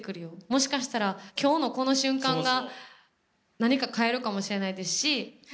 もしかしたら、今日のこの瞬間が何か変えるかもしれないですし。